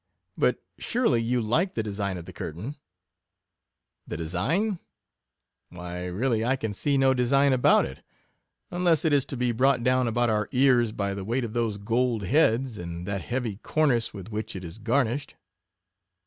But surely you like the design of the curtain ? The de sign, — why really I can see no design about it, unless it is to be brought down about our ears by the weight of those gold heads, and that heavy cornice with which it is garnished.